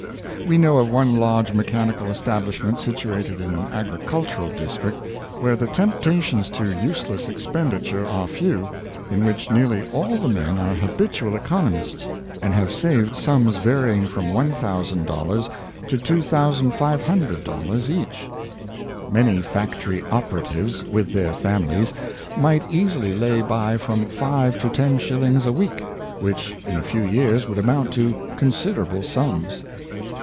We know of one large mechanical establishment, situated in an agricultural district, where the temptations to useless expenditure are few, in which nearly all the men are habitual economists, and have saved sums varying from $i,ooo to $2,500 each. Many factory operatives, with their families, might easily lay by from five to ten shillings a week, which in a few years would amount to considerable sums.